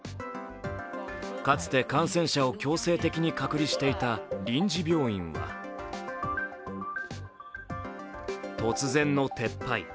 かつて、感染者を強制的に隔離していた臨時病院は突然の撤廃。